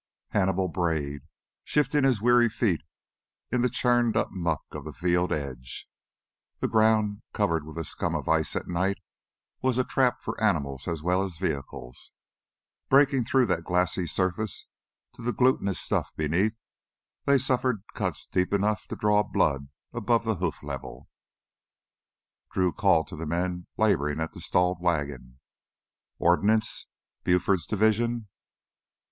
Hannibal brayed, shifting his weary feet in the churned up muck of the field edge. The ground, covered with a scum of ice at night, was a trap for animals as well as vehicles. Breaking through that glassy surface to the glutinous stuff beneath, they suffered cuts deep enough to draw blood above hoof level. Drew called to the men laboring at the stalled wagon. "Ordnance? Buford's division?"